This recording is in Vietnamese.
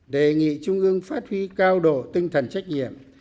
đề nghị trung ương phát huy cao độ tinh thần trách nhiệm